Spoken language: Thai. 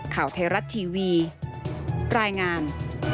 ข่าวไทยรัฐทีวีรายงาน